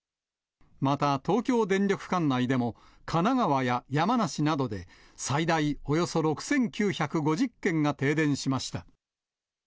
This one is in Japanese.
またとうきょうでんりょくかんないでも神奈川や山梨などで、最大およそ６９５０軒が停電しました。